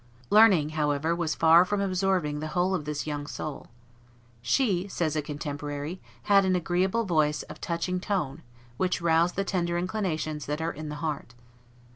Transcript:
Learning, however, was far from absorbing the whole of this young soul. "She," says a contemporary, "had an agreeable voice of touching tone, which roused the tender inclinations that there are in the heart."